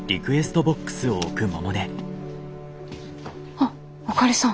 あっあかりさん。